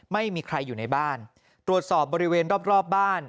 ไม่มีใครอยู่ในบ้านตรวจสอบบริเวณรอบรอบบ้าน